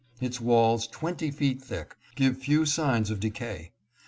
Its walls, twenty feet thick, give few signs of decay.